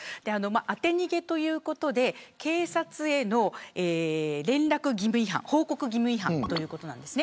当て逃げということで警察への連絡義務違反報告義務違反ということです。